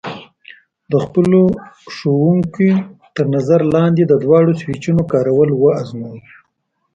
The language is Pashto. د خپلو ښوونکي تر نظر لاندې د دواړو سویچونو کارول وازموئ.